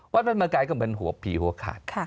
วัดพระธรรมกายก็เหมือนหัวผีหัวขาด